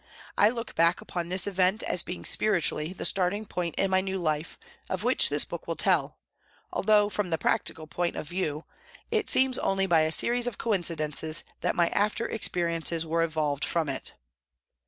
I look back upon this event as being spiritually the starting point in my new life, of which this book will tell, although, from the practical point of view, it seems only by a series of coincidences that my after experiences were evolved from it.